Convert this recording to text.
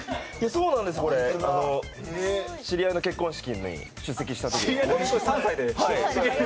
そうなんです、知り合いの結婚式に出席したときに。